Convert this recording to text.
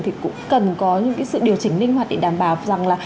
thì cũng cần có những cái sự điều chỉnh linh hoạt để đảm bảo rằng là